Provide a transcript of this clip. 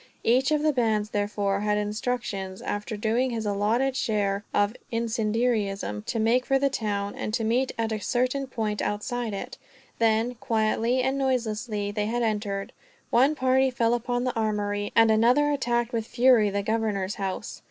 Each of the bands therefore had instructions, after doing its allotted share of incendiarism, to make for the town, and to meet at a certain point outside it. Then, quietly and noiselessly, they had entered. One party fell upon the armory, and another attacked with fury the governor's house.